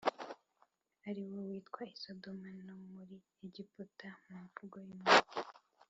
ari wo witwa i Sodomu no muri Egiputa mu mvugo y’umwuka,